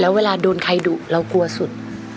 แล้วเวลาโดนใครดุเรากลัวสุด